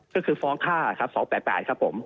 ก็คือฟ้อง๕๒๘๘ครับผม